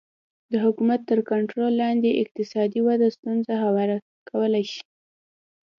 د حکومت تر کنټرول لاندې اقتصادي وده ستونزې هوارې کولی شي